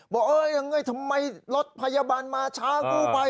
บอกฮึทำไมบริษัยรถพยาบาลมาช้ากู้ภัย